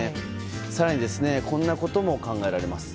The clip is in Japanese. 更にこんなことも考えられます。